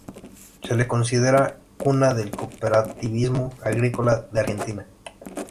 Se la considera cuna del cooperativismo agrícola de la Argentina.